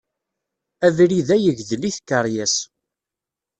Abrid-a yegdel i tkeryas.